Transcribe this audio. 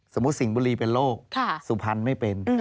สิงห์บุรีเป็นโรคสุพรรณไม่เป็น